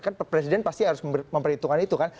kan presiden pasti harus memperhitungkan itu kan